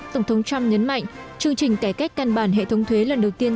tổng thống trump nhấn mạnh chương trình cải cách căn bản hệ thống thuế lần đầu tiên